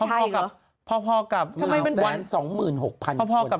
ไทยเหรอพ่อพ่อกับทำไมเป็นวันสองหมื่นหกพันพ่อพ่อกับ